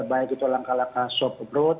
baik itu langkah langkah soft approad